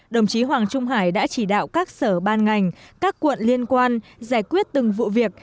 đồng chí hoàng trung hải đã chỉ đạo các sở ban ngành các quận liên quan giải quyết từng vụ việc